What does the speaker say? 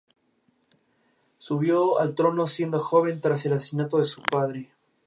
Subió al trono siendo joven, tras el asesinato de su padre.